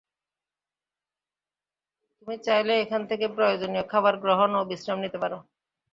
তুমি চাইলে এখান থেকে প্রয়োজনীয় খাবার গ্রহণ ও বিশ্রাম নিতে পার।